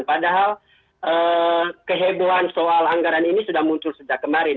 padahal kehebohan soal anggaran ini sudah muncul sejak kemarin